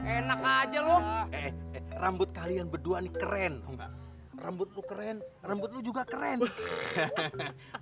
enak aja lu rambut kalian berdua nih keren rambut lu keren rambut lu juga keren hehehe